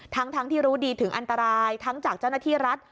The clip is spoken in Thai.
ทั้งที่รู้ดีถึงอันตรายทั้งจากเจ้าหน้าที่รัฐ